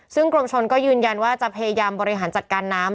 ซึ่งกรมชนก็ยืนยันว่าจะพยายามบริหารจัดการน้ำ